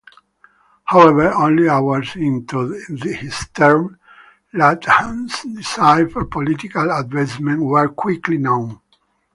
However, only hours into his term, Latham's desire for political advancement were quickly known.